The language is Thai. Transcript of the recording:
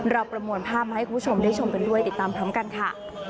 ประมวลภาพมาให้คุณผู้ชมได้ชมกันด้วยติดตามพร้อมกันค่ะ